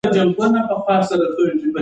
د نجونو ښوونه او روزنه باید اسانه شي.